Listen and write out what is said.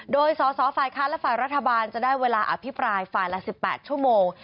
โดยสสฝ่ายค้านและฝ่ายรัฐบาลจะได้เวลาอภิปรายฝ่ายละ๑๘ชั่วโมง